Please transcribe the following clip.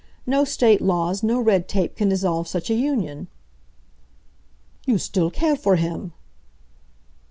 No state laws, no red tape can dissolve such a union." "You still care for him!"